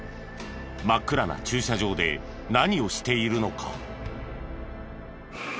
真っ暗な駐車場で何をしているのか？